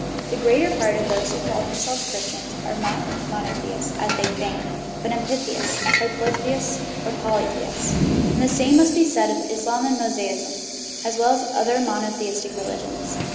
The greater part of those who call themselves Christians are not monotheists (as they think), but amphitheists, triplotheists, or polytheists. And the same must be said of Islam and Mosaism, and other monotheistic religions.